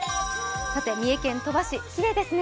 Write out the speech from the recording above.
三重県鳥羽市、きれいですね